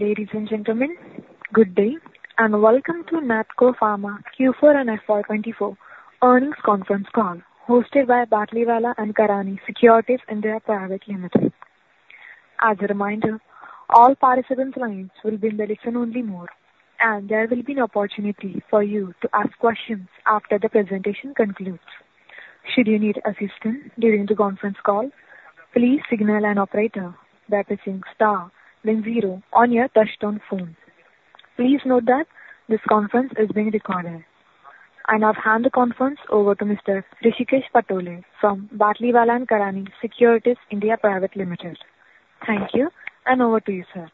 Ladies and gentlemen, good day, and welcome to Natco Pharma Q4 and FY 2024 earnings conference call, hosted by Batlivala & Karani Securities India Private Limited. As a reminder, all participants' lines will be in listen-only mode, and there will be an opportunity for you to ask questions after the presentation concludes. Should you need assistance during the conference call, please signal an operator by pressing star then zero on your touchtone phone. Please note that this conference is being recorded. I now hand the conference over to Mr. Hrishikesh Patole from Batlivala & Karani Securities India Private Limited. Thank you, and over to you, sir.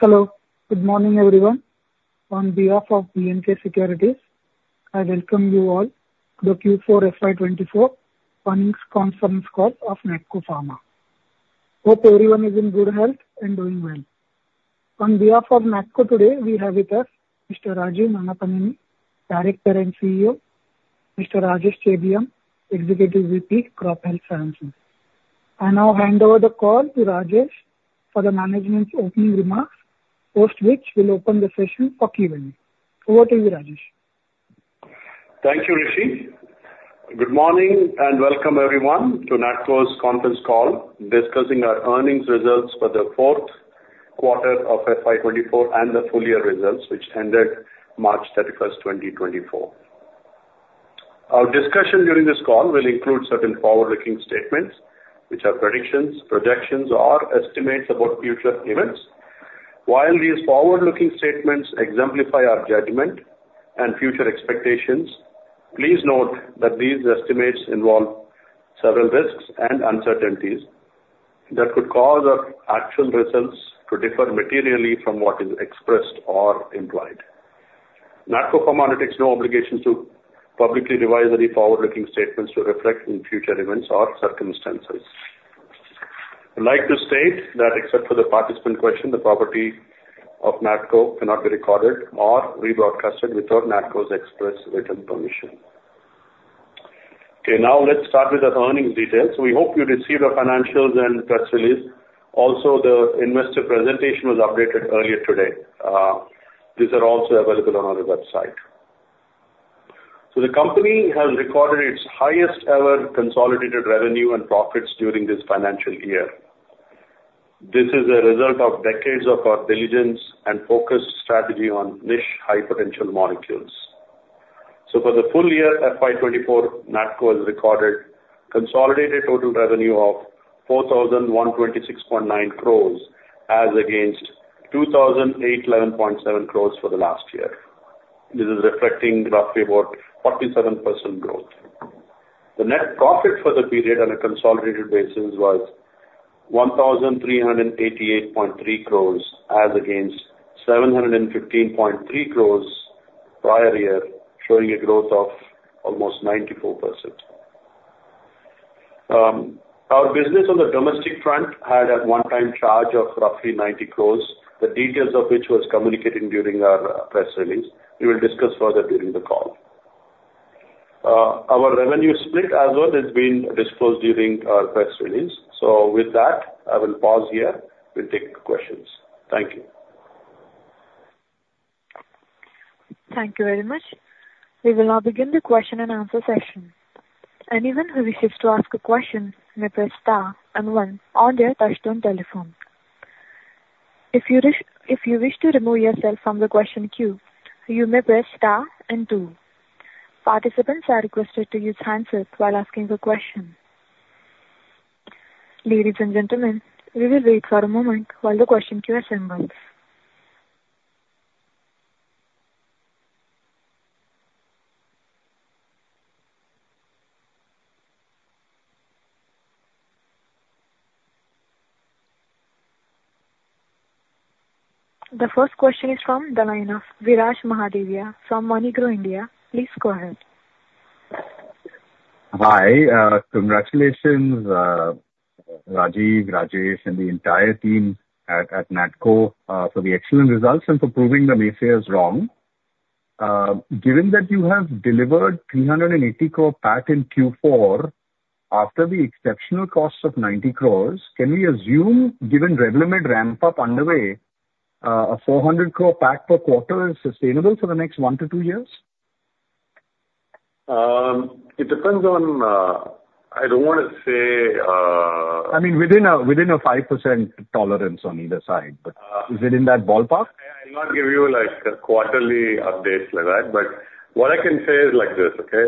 Hello. Good morning, everyone. On behalf of BNK Securities, I welcome you all to the Q4 FY 2024 earnings conference call of Natco Pharma. Hope everyone is in good health and doing well. On behalf of Natco today, we have with us Mr. Rajeev Nannapaneni, Director and CEO, Mr. Rajesh Chebiyam, Executive VP, Crop Health Sciences. I now hand over the call to Rajesh for the management's opening remarks, post which we'll open the session for Q&A. Over to you, Rajesh. Thank you, Hrishikesh. Good morning, and welcome everyone to Natco's conference call, discussing our earnings results for the fourth quarter of FY 2024 and the full year results, which ended March 31, 2024. Our discussion during this call will include certain forward-looking statements, which are predictions, projections, or estimates about future events. While these forward-looking statements exemplify our judgment and future expectations, please note that these estimates involve several risks and uncertainties that could cause our actual results to differ materially from what is expressed or implied. Natco Pharma takes no obligation to publicly revise any forward-looking statements to reflect any future events or circumstances. I'd like to state that except for the participant question, the property of Natco cannot be recorded or rebroadcast without Natco's express written permission. Okay, now let's start with the earnings details. We hope you received our financials and press release. Also, the investor presentation was updated earlier today. These are also available on our website. So the company has recorded its highest ever consolidated revenue and profits during this financial year. This is a result of decades of our diligence and focused strategy on niche, high-potential molecules. So for the full year, FY 2024, Natco has recorded consolidated total revenue of 4,126.9 crores, as against 2,811.7 crores for the last year. This is reflecting roughly about 47% growth. The net profit for the period on a consolidated basis was 1,388.3 crores, as against 715.3 crores prior year, showing a growth of almost 94%. Our business on the domestic front had a one-time charge of roughly 90 crore, the details of which was communicated during our press release. We will discuss further during the call. Our revenue split as well has been disclosed during our press release. So with that, I will pause here. We'll take questions. Thank you. Thank you very much. We will now begin the question and answer session. Anyone who wishes to ask a question may press star and one on their touchtone telephone. If you wish, if you wish to remove yourself from the question queue, you may press star and two. Participants are requested to use handset while asking the question. Ladies and gentlemen, we will wait for a moment while the question queue assembles. The first question is from the line of Viraj Mahadevia from MoneyGrow. Please go ahead. Hi, congratulations, Rajeev, Rajesh and the entire team at, at Natco, for the excellent results and for proving the naysayers wrong. Given that you have delivered 380 crore PAT in Q4, after the exceptional cost of 90 crore, can we assume, given Revlimid ramp-up underway, a 400 crore PAT per quarter is sustainable for the next 1-2 years? It depends on, I don't want to say. I mean, within a 5% tolerance on either side, but is it in that ballpark? I cannot give you, like, quarterly updates like that, but what I can say is like this, okay?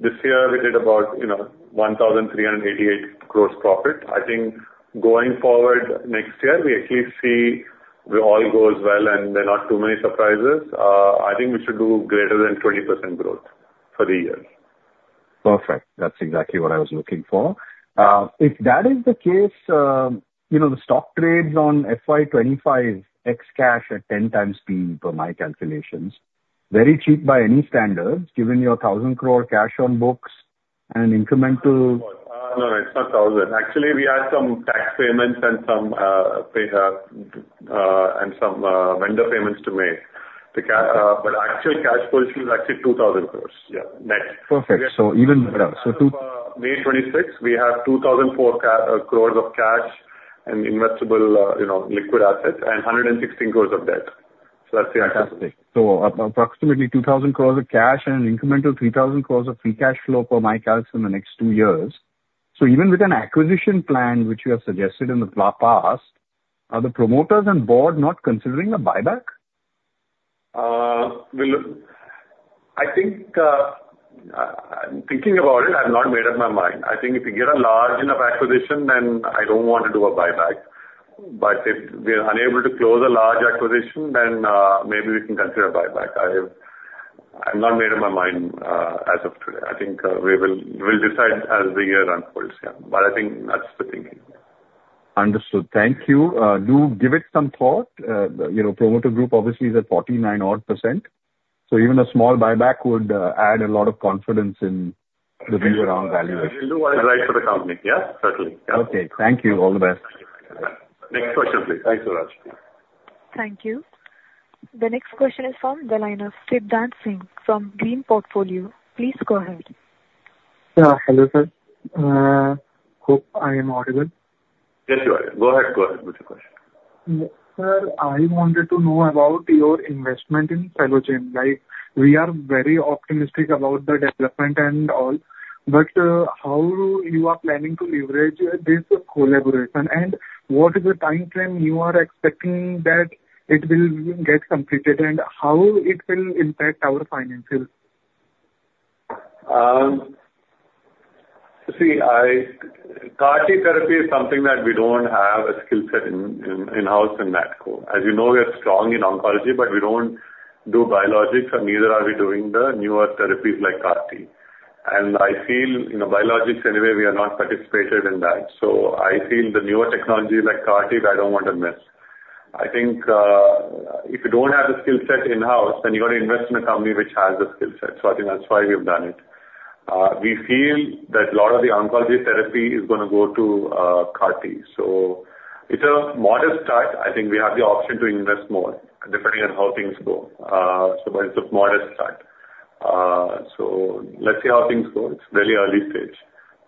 This year we did about, you know, 1,388 crore profit. I think going forward, next year, we at least see it all goes well and there are not too many surprises. I think we should do greater than 20% growth for the year. Perfect. That's exactly what I was looking for. If that is the case, you know, the stock trades on FY 2025 x cash at 10 times P, per my calculations. Very cheap by any standards, given your 1,000 crore cash on books and incremental- it's not 1,000 crore. Actually, we have some tax payments and some pay and some vendor payments to make. But actual cash position is actually 2,000 crore. Yeah, next. Perfect. So even two- May twenty-sixth, we have 2,004 crores of cash and investible, you know, liquid assets and 116 crores of debt. So that's the actual thing. So approximately 2,000 crores of cash and an incremental 3,000 crores of free cash flow, per my calculations, in the next 2 years. So even with an acquisition plan, which you have suggested in the past, are the promoters and board not considering a buyback? I think, I'm thinking about it. I've not made up my mind. I think if we get a large enough acquisition, then I don't want to do a buyback. But if we are unable to close a large acquisition, then maybe we can consider a buyback. I've not made up my mind as of today. I think we will decide as the year unfolds, yeah. But I think that's the thinking. Understood. Thank you. Do give it some thought. You know, promoter group obviously is at 49 odd%, so even a small buyback would add a lot of confidence in the view around valuation. We'll do what is right for the company. Yeah, certainly. Yeah. Okay, thank you. All the best. Next question, please. Thanks, Suraj. Thank you. The next question is from the line of Siddhant Singh from Green Portfolio. Please go ahead. Yeah, hello, sir. Hope I am audible. Yes, you are. Go ahead, go ahead with your question. Sir, I wanted to know about your investment in Cellogen. Like, we are very optimistic about the development and all, but, how you are planning to leverage this collaboration, and what is the timeframe you are expecting that it will get completed, and how it will impact our financials? See, CAR T therapy is something that we don't have a skill set in-house in Natco. As you know, we are strong in oncology, but we don't do biologics, and neither are we doing the newer therapies like CAR T. And I feel, you know, biologics anyway, we are not participated in that. So I feel the newer technologies like CAR T, I don't want to miss. I think, if you don't have the skill set in-house, then you've got to invest in a company which has the skill set, so I think that's why we've done it. We feel that a lot of the oncology therapy is gonna go to CAR T. So it's a modest start. I think we have the option to invest more, depending on how things go. But it's a modest start. So let's see how things go. It's very early stage.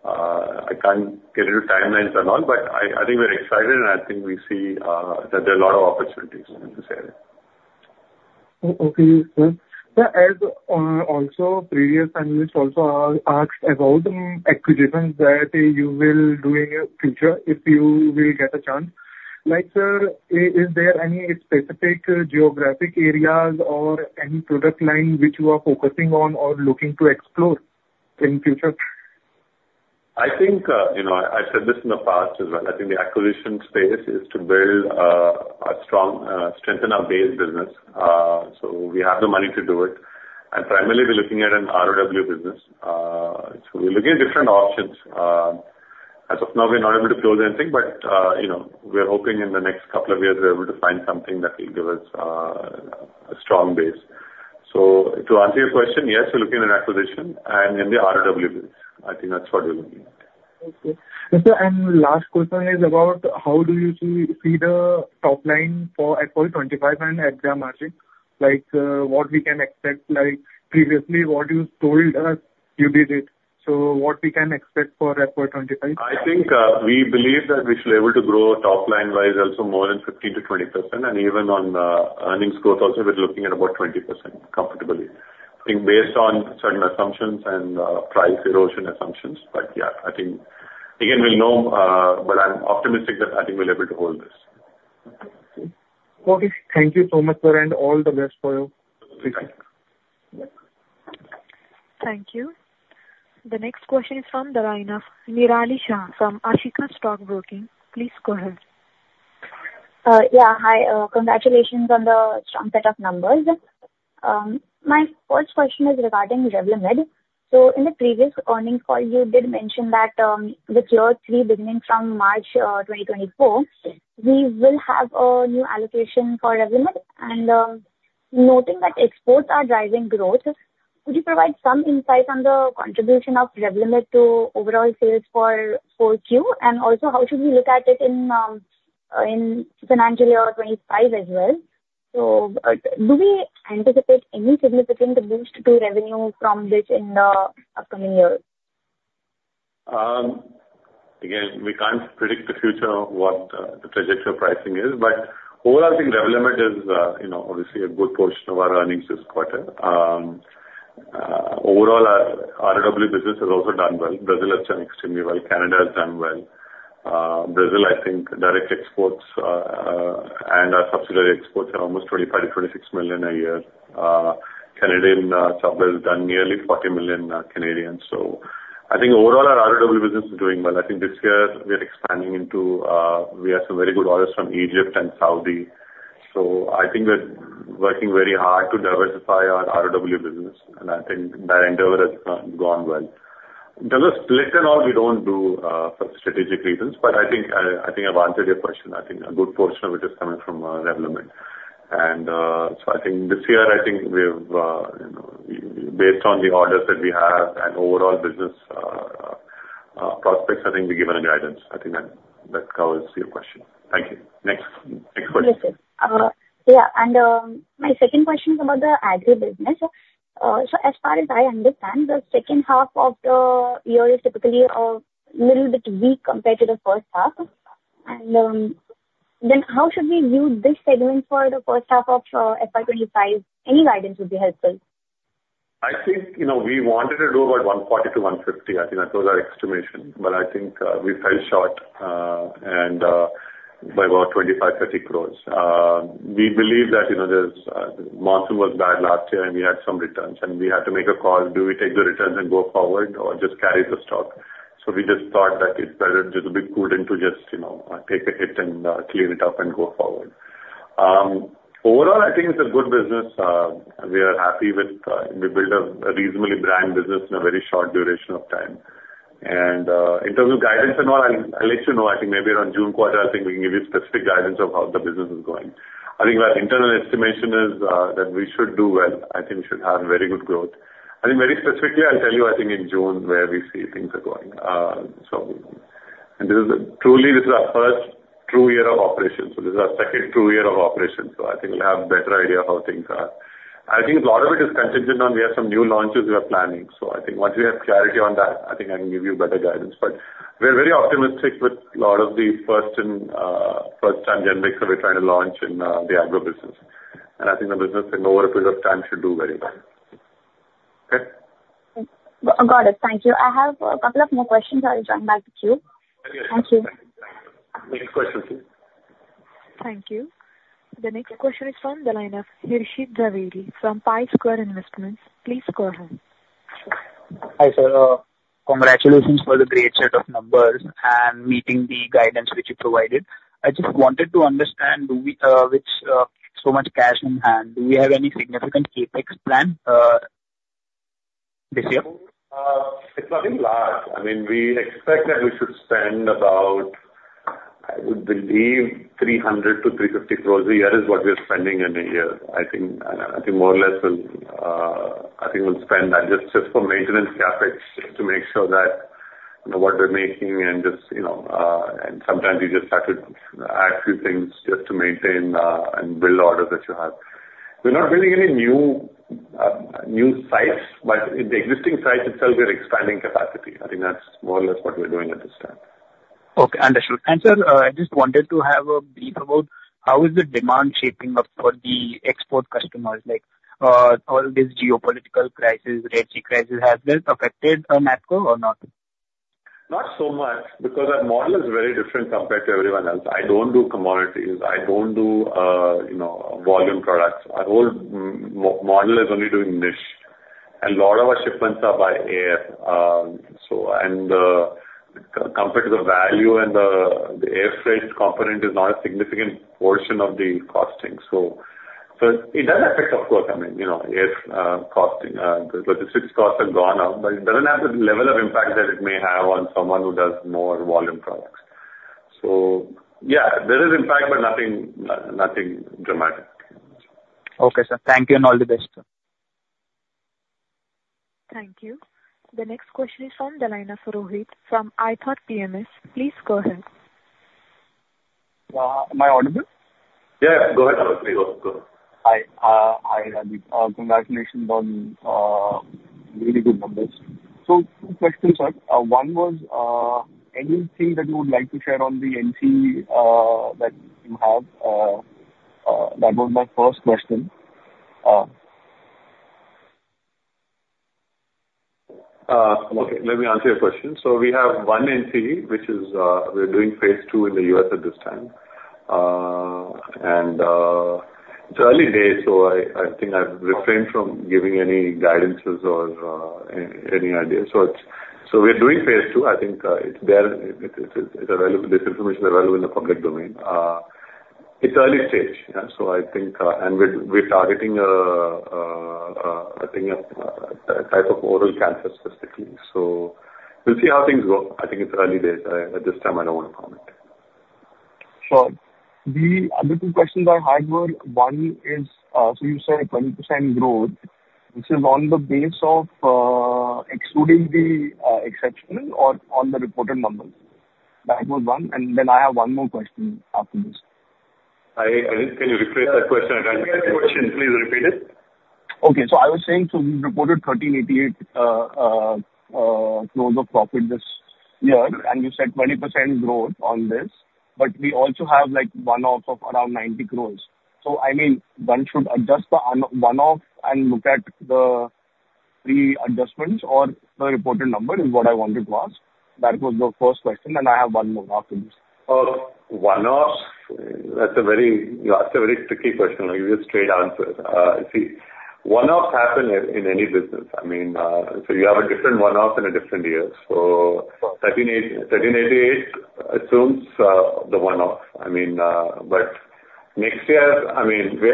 I can't get into timelines and all, but I, I think we're excited, and I think we see that there are a lot of opportunities in this area. Oh, okay, sir. Sir, as also previous analysts also asked about acquisitions that you will do in near future if you will get a chance. Like, sir, is there any specific geographic areas or any product line which you are focusing on or looking to explore in future? I think, you know, I, I've said this in the past as well. I think the acquisition space is to build a strong strengthen our base business. So we have the money to do it. Primarily, we're looking at an ROW business. So we're looking at different options. As of now, we're not able to close anything, but, you know, we're hoping in the next couple of years, we're able to find something that will give us a strong base. So to answer your question, yes, we're looking at acquisition and in the ROW business. I think that's what we're looking at. Okay. Sir, last question is about how do you see the top line for FY 25 and EBITDA margin? Like, what we can expect, like, previously what you told us, you did it. So what we can expect for FY 25? I think, we believe that we shall be able to grow top line wise also more than 50%-20%, and even on, earnings growth also, we're looking at about 20% comfortably. I think based on certain assumptions and, price erosion assumptions. But yeah, I think again, we'll know, but I'm optimistic that I think we'll be able to hold this. Okay. Thank you so much, sir, and all the best for you. Thank you. Thank you. The next question is from the line of Nirali Shah from Ashika Stock Broking. Please go ahead. Yeah. Hi, congratulations on the strong set of numbers. My first question is regarding Revlimid. So in the previous earnings call, you did mention that, with year three beginning from March 2024, we will have a new allocation for Revlimid. And, noting that exports are driving growth, could you provide some insight on the contribution of Revlimid to overall sales for 4Q? And also, how should we look at it in, in financial year 25 as well? So, do we anticipate any significant boost to revenue from this in the upcoming years? Again, we can't predict the future, what the trajectory of pricing is, but overall, I think Revlimid is, you know, obviously a good portion of our earnings this quarter. Overall, our ROW business has also done well. Brazil has done extremely well. Canada has done well. Brazil, I think, direct exports, and our subsidiary exports are almost $25-26 million a year. Canadian sub has done nearly 40 million, Canadian. So I think overall, our ROW business is doing well. I think this year we are expanding into... We have some very good orders from Egypt and Saudi. So I think we're working very hard to diversify our ROW business, and I think that endeavor has gone well. In the US, split and all, we don't do for strategic reasons, but I think I think I've answered your question. I think a good portion of it is coming from Revlimid. And so I think this year, I think we've, you know, based on the orders that we have and overall business prospects, I think we've given a guidance. I think that, that covers your question. Thank you. Next, next question. Yes, sir. Yeah, and my second question is about the agri business. So as far as I understand, the second half of the year is typically little bit weak compared to the first half. And then how should we view this segment for the first half of FY 25? Any guidance would be helpful. I think, you know, we wanted to do about 140-150 crore. I think that was our estimation, but I think we fell short and by about 25-30 crore. We believe that, you know, there's monsoon was bad last year, and we had some returns, and we had to make a call. Do we take the returns and go forward or just carry the stock? So we just thought that it's better just to be prudent to just, you know, take a hit and clean it up and go forward. Overall, I think it's a good business. We are happy with we built a reasonably branded business in a very short duration of time. And in terms of guidance and all, I'll let you know. I think maybe around June quarter, I think we can give you specific guidance of how the business is going. I think our internal estimation is that we should do well. I think we should have very good growth. I think very specifically, I'll tell you, I think in June, where we see things are going, so... And this is a truly, this is our first true year of operations. So this is our second true year of operation, so I think we'll have a better idea of how things are. I think a lot of it is contingent on we have some new launches we are planning. So I think once we have clarity on that, I think I can give you better guidance. We're very optimistic with a lot of the first and first time generics that we're trying to launch in the agro business. I think the business in over a period of time should do very well. Okay? Got it. Thank you. I have a couple of more questions. I'll come back to you. Very good. Thank you. Next question, please. Thank you. The next question is from the line of Harshit Jhaveri from Pi Square Investments. Please go ahead. Hi, sir. Congratulations for the great set of numbers and meeting the guidance which you provided. I just wanted to understand, do we, with, so much cash in hand, do we have any significant CapEx plan, this year? It's nothing large. I mean, we expect that we should spend about, I would believe, 300 crore-350 crore a year is what we are spending in a year. I think, I think more or less, I think we'll spend that just, just for maintenance CapEx, just to make sure that, you know, what we're making and just, you know, and sometimes you just have to add a few things just to maintain, and build orders that you have. We're not building any new, new sites, but in the existing sites itself, we are expanding capacity. I think that's more or less what we're doing at this time. Okay, understood. Sir, I just wanted to have a brief about how is the demand shaping up for the export customers? Like, all this geopolitical crisis, rate crisis, has this affected Natco or not? Not so much, because our model is very different compared to everyone else. I don't do commodities. I don't do, you know, volume products. Our whole model is only doing niche, and a lot of our shipments are by air. Compared to the value and the air freight component is not a significant portion of the costing. So it does affect, of course, I mean, you know, air costing, the logistics costs have gone up, but it doesn't have the level of impact that it may have on someone who does more volume products. So yeah, there is impact, but nothing, nothing dramatic. Okay, sir. Thank you, and all the best. Thank you. The next question is from the line of Rohit from iThought PMS. Please go ahead. Am I audible? Yeah. Go ahead, Rohit. Please, go. Hi, congratulations on really good numbers. So two questions, sir. One was anything that you would like to share on the NCE that you have. That was my first question. Okay, let me answer your question. So we have one NCE, which is, we're doing phase 2 in the U.S. at this time. And it's early days, so I think I've refrained from giving any guidances or any ideas. So it's... So we're doing phase 2. I think it's there. It, it's available, this information is available in the public domain. It's early stage, yeah, so I think and we're targeting, I think, a type of oral cancer specifically. So we'll see how things go. I think it's early days. At this time, I don't want to comment. Sure. The other two questions I had were, one is, so you said 20% growth, which is on the basis of, excluding the, exceptional or on the reported numbers? That was one. And then I have one more question after this. Can you rephrase that question? I didn't get the question. Please repeat it. Okay, so I was saying, so you reported 1,388 crores of profit this year, and you said 20% growth on this, but we also have, like, one-offs of around 90 crores. So I mean, one should adjust the one-off and look at the adjustments or the reported number, is what I wanted to ask. That was the first question, and I have one more after this. One-offs, that's a very tricky question you ask. I'll give you a straight answer. See, one-offs happen in any business. I mean, so you have a different one-off in a different year. So 1,388 assumes the one-off. I mean, but next year, I mean, we...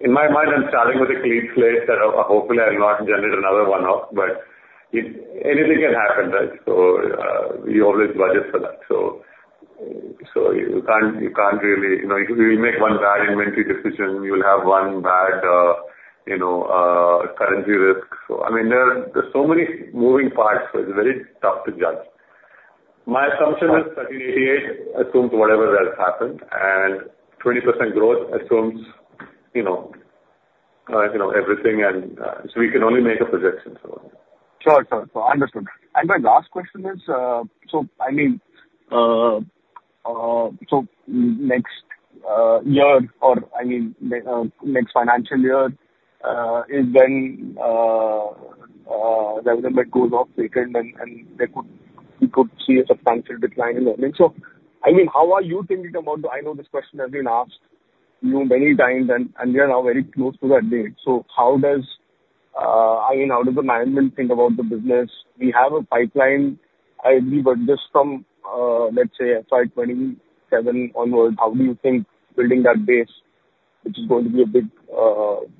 In my mind, I'm starting with a clean slate, and hopefully I'll not generate another one-off, but anything can happen, right? So, we always budget for that. So you can't, you can't really, you know, you make one bad inventory decision, you'll have one bad, you know, currency risk. So I mean, there are so many moving parts, so it's very tough to judge. My assumption is 13.88 assumes whatever that happened, and 20% growth assumes, you know, you know, everything, and so we can only make a projection so. Sure, sure. So I understand. And my last question is, so I mean, so next year, or, I mean, next financial year, is when the generic goes off patent, and they could—you could see a substantial decline in earnings. So, I mean, how are you thinking about... I know this question has been asked, you know, many times, and we are now very close to that date. So how does, I mean, how does the management think about the business? We have a pipeline, I agree. But just from, let's say, FY 2027 onwards, how do you think building that base, which is going to be a big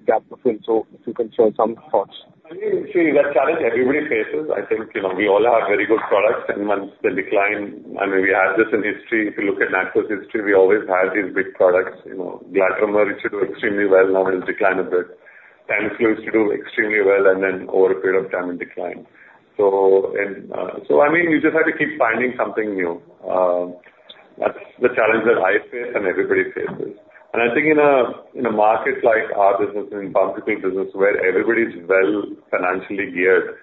gap to fill? So if you can share some thoughts. I mean, see, that's a challenge everybody faces. I think, you know, we all have very good products, and once the decline... I mean, we have this in history. If you look at Natco's history, we always have these big products. You know, Glatiramer used to do extremely well, now it's declined a bit. Tamiflu used to do extremely well, and then over a period of time, it declined. So, I mean, you just have to keep finding something new. That's the challenge that I face and everybody faces. And I think in a market like our business, in competitive business, where everybody's well financially geared,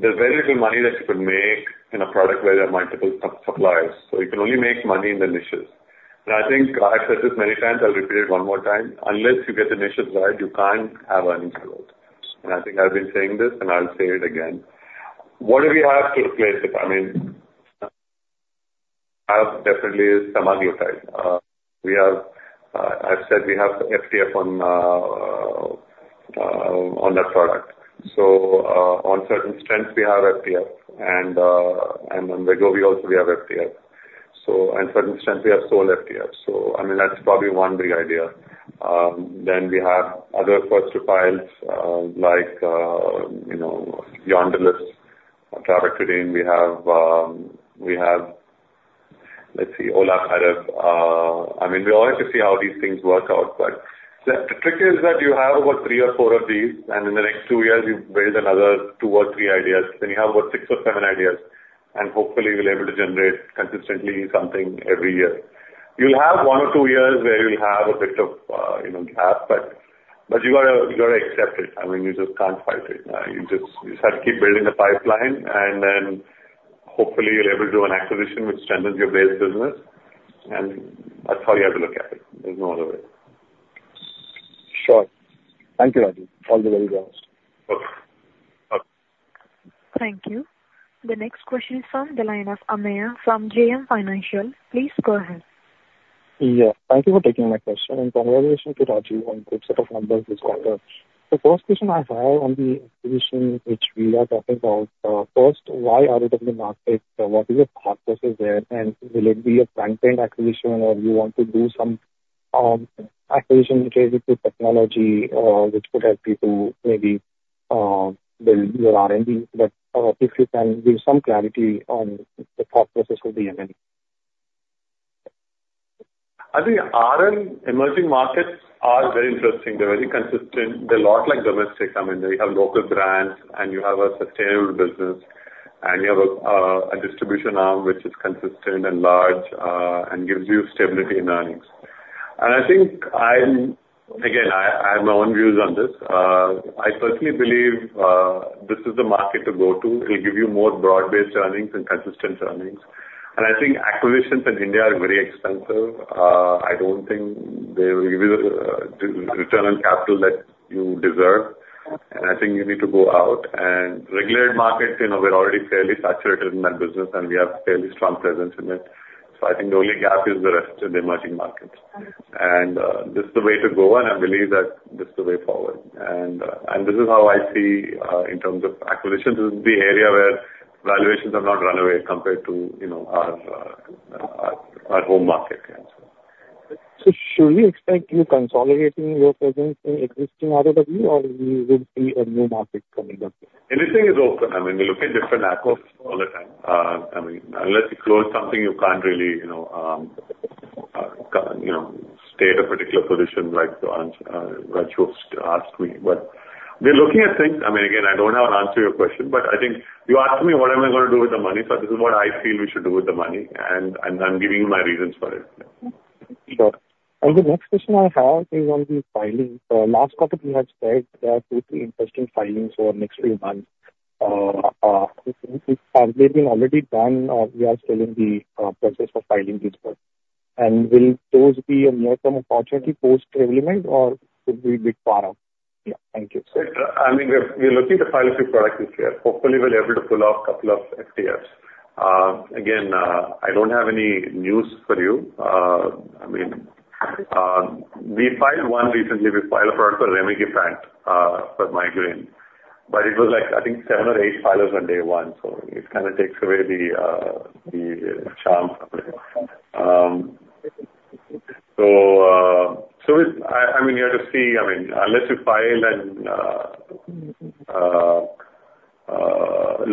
there's very little money that you can make in a product where there are multiple suppliers. So you can only make money in the niches. I think I've said this many times, I'll repeat it one more time: Unless you get the niches right, you can't have earnings growth. I think I've been saying this, and I'll say it again. What do we have to replace it? I mean, I have definitely semaglutide. We have, I've said we have FTF on, on that product. So, on certain strengths we have FTF, and, and on Wegovy also we have FTF. So, and certain strengths we have sole FTF. So, I mean, that's probably one big idea. Then we have other first to files, like, you know, Yondelis, trabectedin. We have, we have, let's see, olaparib. I mean, we all have to see how these things work out, but the trick is that you have about 3 or 4 of these, and in the next 2 years, you build another 2 or 3 ideas. Then you have about 6 or 7 ideas, and hopefully you'll be able to generate consistently something every year. You'll have 1 or 2 years where you'll have a bit of, you know, gap, but, but you gotta, you gotta accept it. I mean, you just can't fight it. You just, you just have to keep building the pipeline, and then hopefully you're able to do an acquisition which strengthens your base business. And that's how you have to look at it. There's no other way. Sure. Thank you, Raju. All the very best. Okay. Bye. Thank you. The next question is from the line of Ameya from JM Financial. Please go ahead. Yeah, thank you for taking my question, and congratulations to Raju on good set of numbers this quarter. The first question I have on the acquisition, which we are talking about, first, why are they in the market? What is the thought process there? And will it be a frontline acquisition, or you want to do some acquisition related to technology, which could help you to maybe build your R&D? But if you can give some clarity on the thought process of the M&A. I think our emerging markets are very interesting. They're very consistent. They're a lot like domestic. I mean, you have local brands, and you have a distribution arm which is consistent and large, and gives you stability in earnings. And I think. Again, I have my own views on this. I personally believe this is the market to go to. It will give you more broad-based earnings and consistent earnings. And I think acquisitions in India are very expensive. I don't think they will give you the return on capital that you deserve, and I think you need to go out. And regulated markets, you know, we're already fairly saturated in that business, and we have a fairly strong presence in it. So I think the only gap is the rest of the emerging markets. And this is the way to go, and I believe that this is the way forward. And this is how I see, in terms of acquisitions, this is the area where valuations have not run away compared to, you know, our home market, India. Should we expect you consolidating your presence in existing ROW, or we will see a new market coming up? Anything is open. I mean, we look at different in Natco's all the time. I mean, unless you close something, you can't really, you know, you know, stay at a particular position like, Raju asked me. But we're looking at things. I mean, again, I don't have an answer to your question, but I think you asked me what am I gonna do with the money, so this is what I feel we should do with the money, and I'm giving you my reasons for it. Sure. And the next question I have is on the filings. Last quarter, you had said there are 2, 3 interesting filings over the next few months. Have they been already done or we are still in the process of filing these filings? And will those be a near-term opportunity post-Revlimid or could be a bit far out? Yeah. Thank you, sir. I mean, we're looking to file a few products this year. Hopefully, we'll be able to pull off a couple of FTFs. Again, I don't have any news for you. I mean, we filed one recently. We filed a product for Rimegepant, in fact, for migraine, but it was like, I think, seven or eight filers on day one, so it kind of takes away the chance of it. So, you have to see, I mean, unless you file and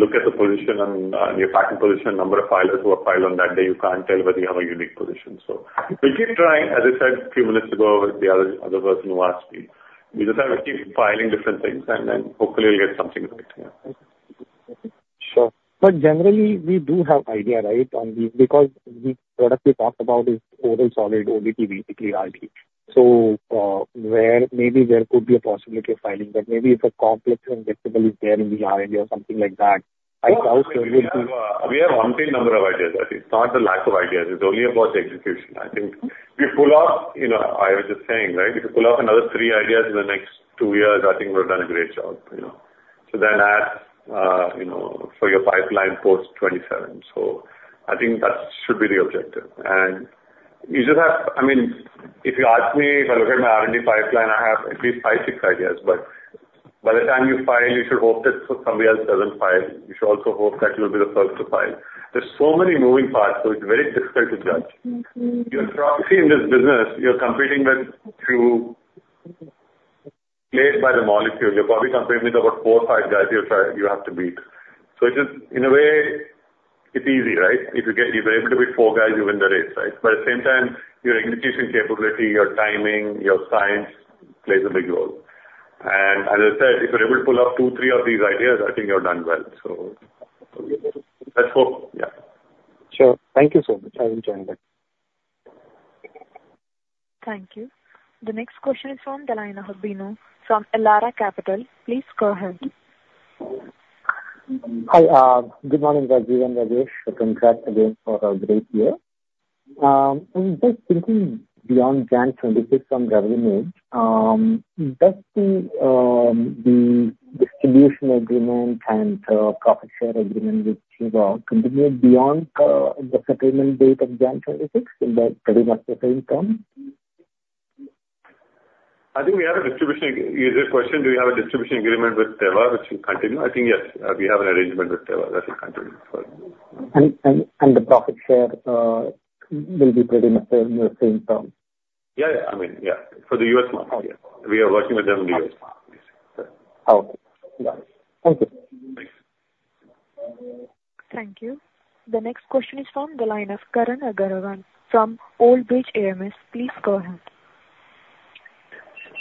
look at the position on your patent position, number of filers who have filed on that day, you can't tell whether you have a unique position. So we'll keep trying. As I said a few minutes ago, with the other, other person who asked me, we just have to keep filing different things and then hopefully we'll get something right. Yeah. Sure. But generally, we do have idea, right, on the—because the product we talked about is oral solid, OD basically, RD. So, where maybe there could be a possibility of filing, but maybe if a complex injectables there in the RD or something like that, I thought maybe- We have, we have umpteen number of ideas. I think it's not the lack of ideas, it's only about the execution. I think if we pull off, you know, I was just saying, right, if we pull off another three ideas in the next two years, I think we've done a great job, you know. So then as, you know, for your pipeline post-2027. So I think that should be the objective. And you just have... I mean, if you ask me, if I look at my R&D pipeline, I have at least five, six ideas, but by the time you file, you should hope that somebody else doesn't file. You should also hope that you'll be the first to file. There's so many moving parts, so it's very difficult to judge. Mm-hmm. You're probably in this business, you're competing through Para IV by the molecule. You're probably competing with about four or five guys you have to beat. So it is, in a way, it's easy, right? If you get-- you're able to beat four guys, you win the race, right? But at the same time, your execution capability, your timing, your science, plays a big role. And as I said, if you're able to pull off two, three of these ideas, I think you've done well. So let's hope. Yeah. Sure. Thank you so much. I will join that. Thank you. The next question is from the line of Bino, from Elara Capital. Please go ahead. Hi. Good morning, Rajeev and Rajesh. Congrats again for a great year. Just thinking beyond January 2026 on Revlimid, does the, the distribution agreement and, profit share agreement with, continue beyond, the settlement date of January 2026, in pretty much the same term? I think we have a distribution. Is the question, do we have a distribution agreement with Teva, which will continue? I think, yes. We have an agreement with Teva that will continue for- And the profit share will be pretty much in the same term? Yeah, yeah. I mean, yeah, for the U.S. market. Oh, yeah. We are working with them in the US market. Okay. Yeah. Thank you. Thanks. Thank you. The next question is from the line of Karan Agarwal from Old Bridge Asset Management. Please go ahead.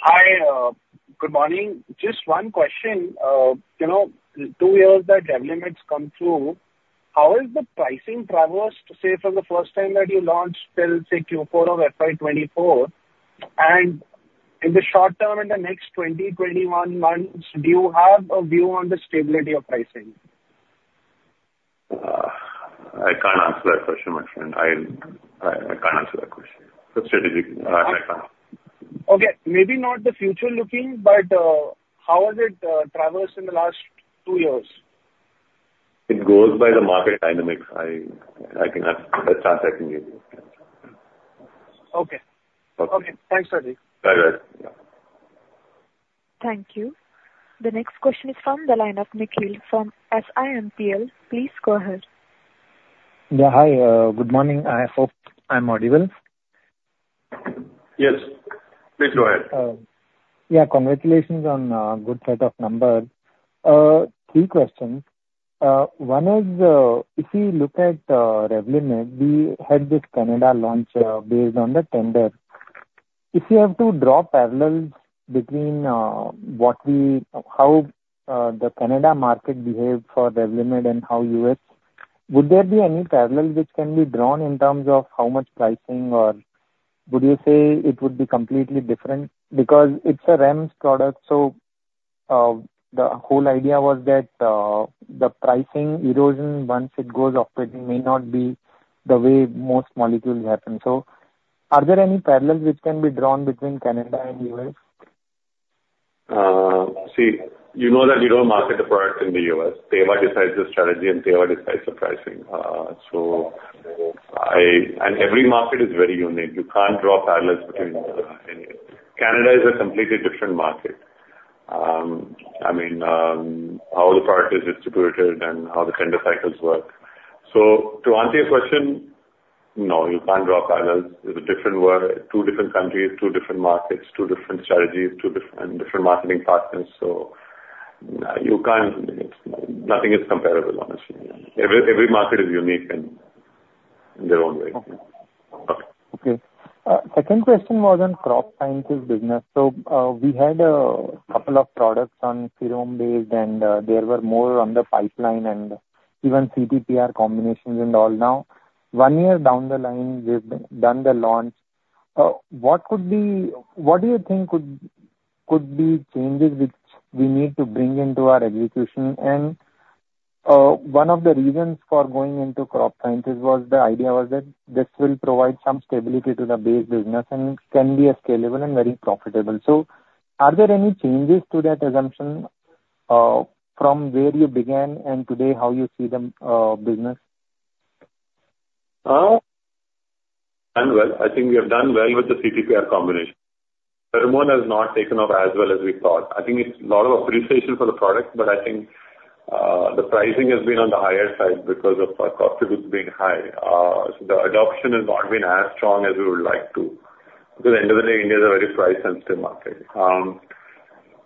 Hi, good morning. Just one question. You know, two years that Revlimid's come through, how is the pricing traversed, say, from the first time that you launched till, say, Q4 of FY 2024? And in the short term, in the next 20-21 months, do you have a view on the stability of pricing? I can't answer that question, my friend. I can't answer that question. It's strategic. I can't. Okay, maybe not the future looking, but, how has it traversed in the last two years? It goes by the market dynamics. I cannot, I can't second-guess it. Okay. Okay. Okay. Thanks, Rajeev. Bye, bye. Thank you. The next question is from the line of Nikhil from SiMPL. Please go ahead. Yeah, hi. Good morning. I hope I'm audible. Yes, please go ahead. Yeah, congratulations on good set of numbers. Three questions. One is, if you look at Revlimid, we had this Canada launch based on the tender. If you have to draw parallels between what we... How the Canada market behaved for Revlimid and how US, would there be any parallels which can be drawn in terms of how much pricing? Or would you say it would be completely different? Because it's a REMS product, so the whole idea was that the pricing erosion, once it goes off, it may not be the way most molecules happen. So are there any parallels which can be drawn between Canada and US? See, you know that we don't market the product in the US. Teva decides the strategy, and Teva decides the pricing. And every market is very unique. You can't draw parallels between any. Canada is a completely different market. I mean, how the product is distributed and how the tender cycles work. So to answer your question, no, you can't draw parallels. It's a different world, two different countries, two different markets, two different strategies, two different, and different marketing partners. So, you can't, nothing is comparable, honestly. Every market is unique in their own way. Okay. Okay. Second question was on Crop Sciences business. So, we had a couple of products on pheromone based, and there were more on the pipeline and even CTPR combinations and all. Now, one year down the line, we've done the launch. What could be—what do you think could be changes which we need to bring into our execution? And, one of the reasons for going into crop sciences was the idea was that this will provide some stability to the base business and can be scalable and very profitable. So are there any changes to that assumption, from where you began and today, how you see the business? Done well. I think we have done well with the CTPR combination. Tembotrione has not taken off as well as we thought. I think it's a lot of appreciation for the product, but I think, the pricing has been on the higher side because of our costs being high. So the adoption has not been as strong as we would like to. Because at the end of the day, India is a very price-sensitive market.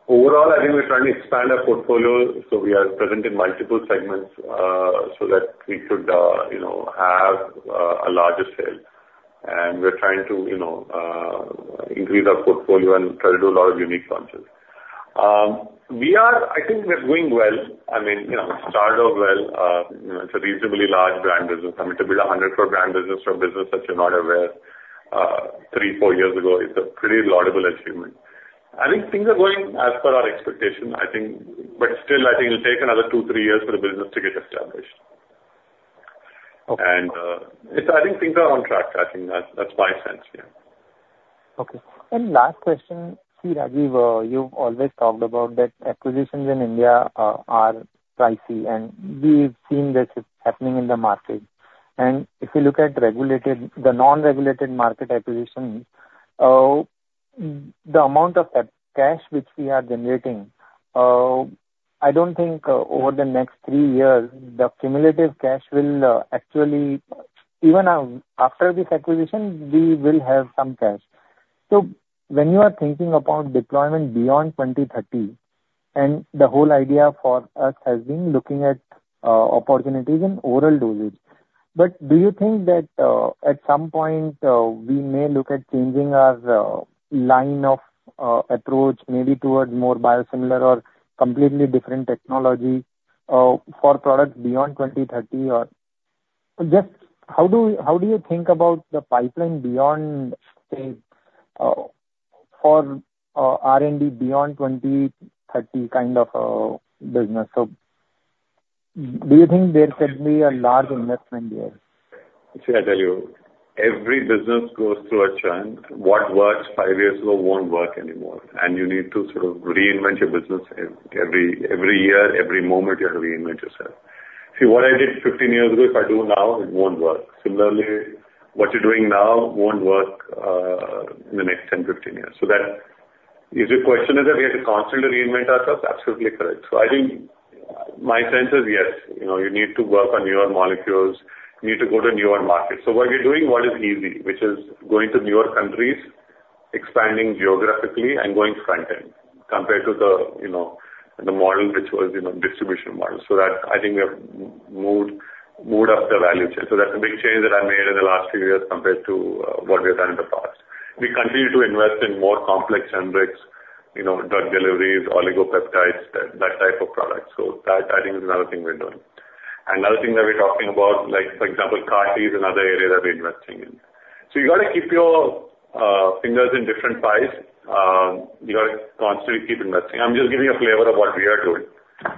Overall, I think we're trying to expand our portfolio, so we are present in multiple segments, so that we could, you know, have, a larger sale. And we're trying to, you know, increase our portfolio and try to do a lot of unique launches. We are. I think we are doing well. I mean, you know, we started off well. you know, it's a reasonably large brand business. I mean, to build 100 crore brand business from business that you're not aware, 3, 4 years ago, it's a pretty laudable achievement. I think things are going as per our expectation, I think. But still, I think it'll take another 2, 3 years for the business to get established. Okay. Yes, I think things are on track. I think that's, that's my sense, yeah. Okay. Last question: See, Rajeev, you've always talked about that acquisitions in India are pricey, and we've seen this is happening in the market. If you look at regulated, the non-regulated market acquisitions, the amount of cash which we are generating, I don't think over the next three years, the cumulative cash will actually... Even after this acquisition, we will have some cash. So when you are thinking about deployment beyond 2030, and the whole idea for us has been looking at opportunities in oral dosage. But do you think that at some point we may look at changing our line of approach, maybe towards more biosimilar or completely different technology for products beyond 2030? Or just how do you think about the pipeline beyond, say, for R&D beyond 2030 kind of business? So do you think there could be a large investment there? See, I tell you, every business goes through a change. What works 5 years ago won't work anymore, and you need to sort of reinvent your business every year, every moment, you have to reinvent yourself. See, what I did 15 years ago, if I do now, it won't work. Similarly, what you're doing now won't work in the next 10, 15 years. So that, if your question is that we have to constantly reinvent ourselves, absolutely correct. So I think my sense is, yes, you know, you need to work on newer molecules. You need to go to newer markets. So what we're doing, what is easy, which is going to newer countries, expanding geographically and going front-end, compared to the, you know, the model, which was, you know, distribution model. So that I think we have moved up the value chain. So that's a big change that I made in the last few years compared to what we've done in the past. We continue to invest in more complex generics, you know, drug deliveries, oligopeptides, that type of product. So that I think is another thing we're doing. Another thing that we're talking about, like, for example, CAR-T is another area that we're investing in. So you got to keep your fingers in different pies. You got to constantly keep investing. I'm just giving you a flavor of what we are doing.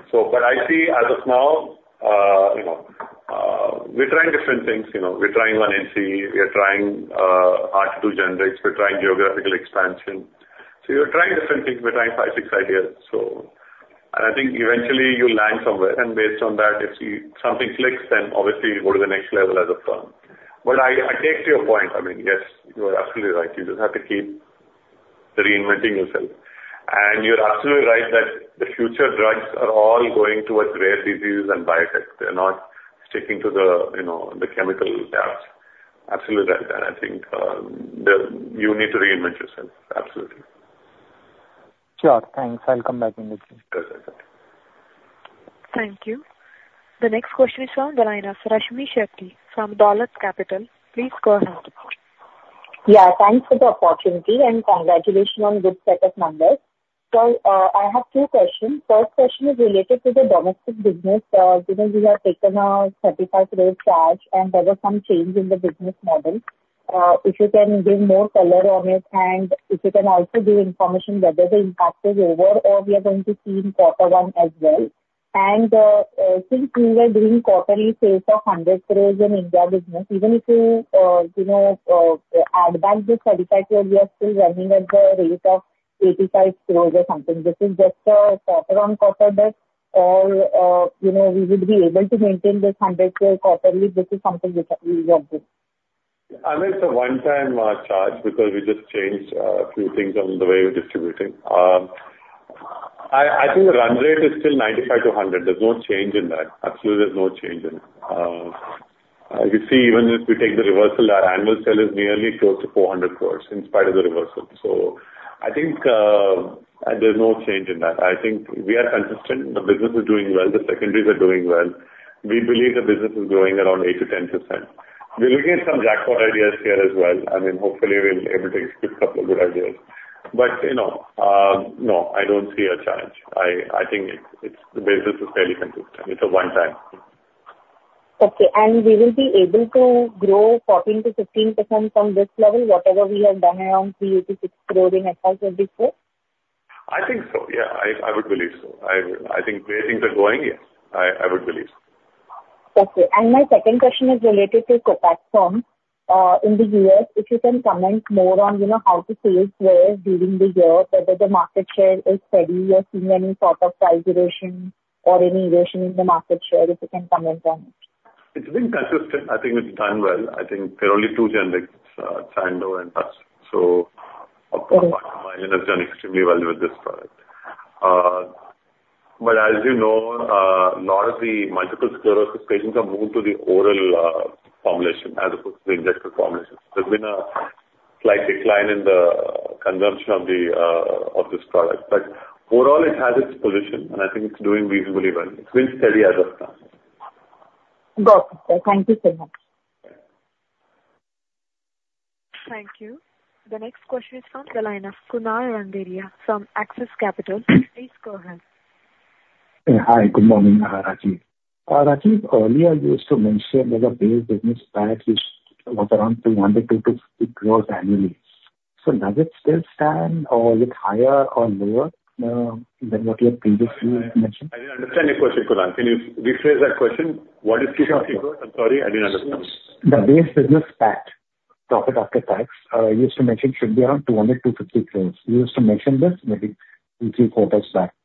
So but I see as of now, you know, we're trying different things. You know, we're trying one NCE, we are trying R2 generics, we're trying geographical expansion. So we are trying different things. We're trying five, six ideas, so... And I think eventually you'll land somewhere, and based on that, if something clicks, then obviously you go to the next level as a firm. But I, I take your point. I mean, yes, you are absolutely right. You just have to keep reinventing yourself. And you're absolutely right that the future drugs are all going towards rare diseases and biotech. They're not sticking to the, you know, the chemical labs. Absolutely right. And I think, you need to reinvent yourself. Absolutely. Sure. Thanks. I'll come back in the team. Good. Thank you. The next question is from Rashmi Shetty from Dolat Capital. Please go ahead. Yeah, thanks for the opportunity, and congratulations on good set of numbers. So, I have two questions. First question is related to the domestic business. You know, you have taken a 35 crore charge, and there was some change in the business model. If you can give more color on it, and if you can also give information whether the impact is over or we are going to see in quarter one as well. And, since we were doing quarterly sales of 100 crores in India business, even if you, you know, advance the 35 crore, we are still running at the rate of 85 crores or something. This is just a quarter-on-quarter basis, or, you know, we would be able to maintain this 100 crore quarterly, this is something which we expect? I mean, it's a one-time charge because we just changed a few things on the way of distributing. I think the run rate is still 95-100. There's no change in that. Absolutely, there's no change in it. You see, even if we take the reversal, our annual sales is nearly close to 400 crore in spite of the reversal. So I think, there's no change in that. I think we are consistent. The business is doing well, the secondaries are doing well. We believe the business is growing around 8%-10%. We're looking at some jackpot ideas here as well. I mean, hopefully, we'll be able to execute couple of good ideas. But, you know, no, I don't see a change. I think it's, the business is fairly consistent. It's a one-time. Okay. And we will be able to grow 14%-15% from this level, whatever we have done around 3 crore-6 crore in FY 2024? I think so, yeah. I would believe so. I think the way things are going, yes, I would believe so. Okay. And my second question is related to Copaxone. In the U.S., if you can comment more on, you know, how the sales were during the year, whether the market share is steady or seen any sort of price erosion or any erosion in the market share, if you can comment on it?... It's been consistent. I think it's done well. I think there are only two generics, Sandoz and Teva. So has done extremely well with this product. But as you know, a lot of the multiple sclerosis patients are moved to the oral formulation as opposed to the injected formulation. There's been a slight decline in the consumption of the of this product. But overall, it has its position, and I think it's doing reasonably well. It's been steady as of now. Got it, sir. Thank you so much. Thank you. The next question is from Kunal Randeria from Axis Capital. Please go ahead. Hi, good morning, Rajeev. Rajeev, earlier you used to mention there's a base business pack, which was around 200-250 crores annually. So does it still stand, or is it higher or lower than what you had previously mentioned? I didn't understand your question, Kunal. Can you rephrase that question? What is INR 200 crore? I'm sorry, I didn't understand. The base business pack, profit after tax, you used to mention should be around 200-250 crore. You used to mention this maybe 2-3 quarters back.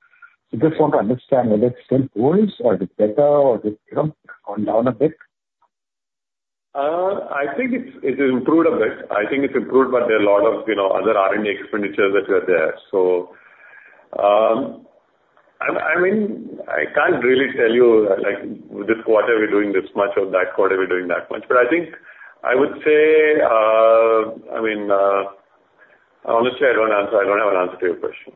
I just want to understand whether it still holds or it's better, or it, you know, gone down a bit. I think it's improved a bit. I think it's improved, but there are a lot of, you know, other R&D expenditures that were there. So, I mean, I can't really tell you, like, this quarter we're doing this much or that quarter we're doing that much. But I think I would say, I mean, honestly, I don't answer—I don't have an answer to your question.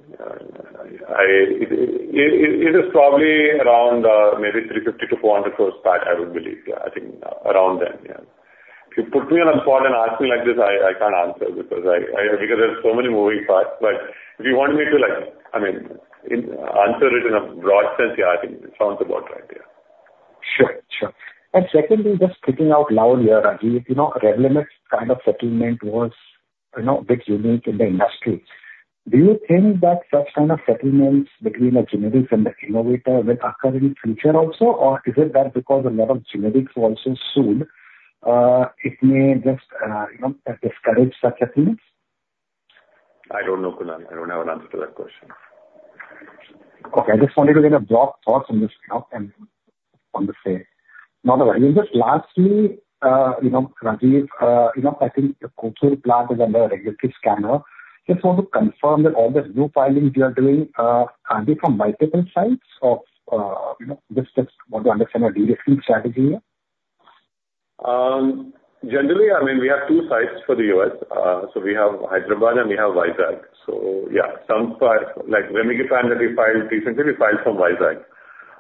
It is probably around, maybe 350-400 crores, I would believe. Yeah, I think around then, yeah. If you put me on the spot and ask me like this, I can't answer because I... Because there are so many moving parts. But if you want me to, like, I mean, answer it in a broad sense, yeah, I think it sounds about right, yeah. Sure, sure. And secondly, just sticking out loud here, Rajeev, you know, Revlimid kind of settlement was, you know, bit unique in the industry. Do you think that such kind of settlements between the generics and the innovator will occur in future also? Or is it that because a lot of generics were also sued, you know, discourage such a things? I don't know, Kunal. I don't have an answer to that question. Okay. I just wanted to get a broad thoughts on this, you know, and understand. Not worry. Just lastly, you know, Rajeev, you know, I think the Kothur plant is under a regulatory scanner. Just want to confirm that all the new filings you are doing are they from multiple sites or, you know, just want to understand your de-risking strategy here. Generally, I mean, we have two sites for the US. So we have Hyderabad and we have Vizag. So yeah, some files, like Remicade that we filed recently, we filed from Vizag. We,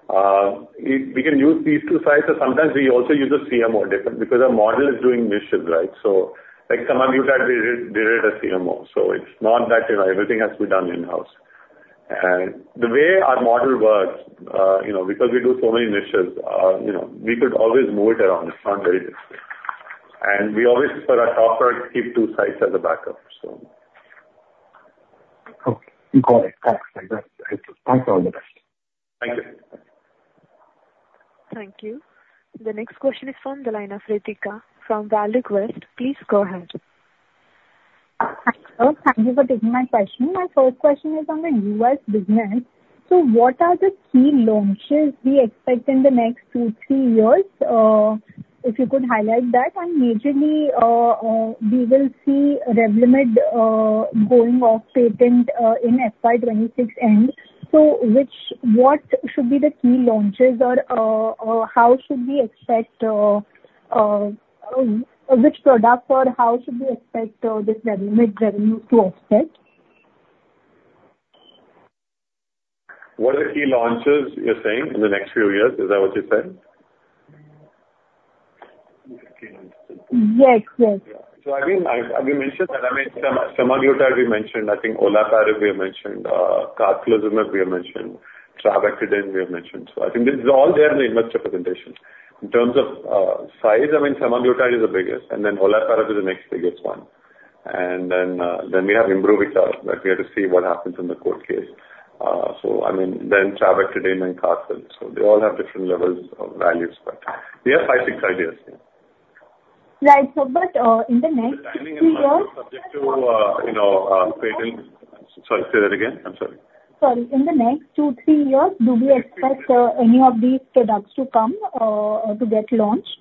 we can use these two sites, but sometimes we also use a different CMO, because our model is doing niches, right? So, like Semaglutide, we did it a CMO. So it's not that, you know, everything has to be done in-house. And the way our model works, you know, because we do so many niches, you know, we could always move it around. It's not very difficult. And we always, for our top products, keep two sites as a backup, so. Okay. Got it. Thanks, Rajeev. Thanks for all the best. Thank you. Thank you. The next question is from Ritika Vivek from ValueQuest. Please go ahead. Hi, sir. Thank you for taking my question. My first question is on the U.S. business. So what are the key launches we expect in the next two, three years? If you could highlight that. And majorly, we will see Revlimid going off patent in FY 2026 end. So what should be the key launches or how should we expect which product this Revlimid revenue to offset? What are the key launches, you're saying, in the next few years? Is that what you're saying? Yes, yes. Yeah. So I mean, we mentioned that, I mean, semaglutide we mentioned, I think olaparib we have mentioned, carfilzomib we have mentioned, trabectedin we have mentioned. So I think this is all there in the investor presentation. In terms of size, I mean, semaglutide is the biggest, and then olaparib is the next biggest one. And then, then we have Imbruvica, but we have to see what happens in the court case. So I mean, then trabectedin and carfilzomib, so they all have different levels of values, but we have five, six ideas, yeah. Right. But in the next two years- Subject to, you know, patent... Sorry, say that again. I'm sorry. Sorry. In the next 2-3 years, do we expect any of these products to come or to get launched?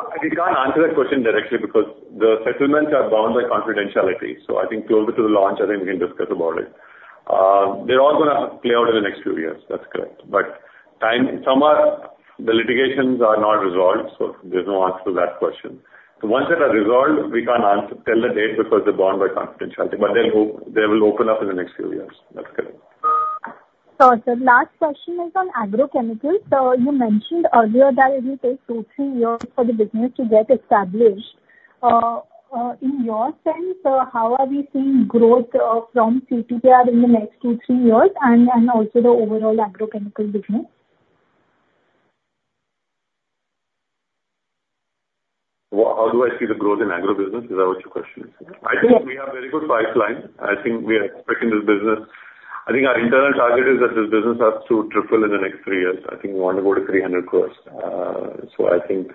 I can't answer that question directly because the settlements are bound by confidentiality. So I think closer to the launch, I think we can discuss about it. They're all gonna play out in the next few years. That's correct. But time, some are, the litigations are not resolved, so there's no answer to that question. So once they are resolved, we can't answer, tell the date because they're bound by confidentiality, but they'll op- they will open up in the next few years. That's correct. So sir, last question is on agrochemicals. You mentioned earlier that it will take 2-3 years for the business to get established. In your sense, how are we seeing growth from CTPR in the next 2-3 years, and also the overall agrochemical business? What, how do I see the growth in agro business? Is that what your question is? Yes. I think we have very good pipeline. I think we are expecting this business... I think our internal target is that this business has to triple in the next three years. I think we want to go to 300 crore. So I think,